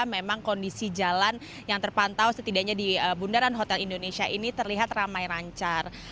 memang kondisi jalan yang terpantau setidaknya di bundaran hotel indonesia ini terlihat ramai lancar